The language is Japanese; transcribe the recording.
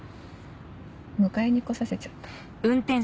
迎えに来させちゃった。